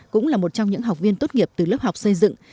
cũng là một trong những học viên tốt nghiệp từ lớp học xây dựng